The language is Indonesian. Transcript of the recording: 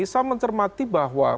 saya mencermati bahwa